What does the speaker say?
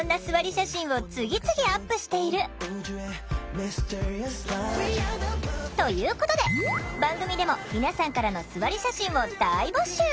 写真を次々アップしている！ということで番組でも皆さんからのすわり写真を大募集！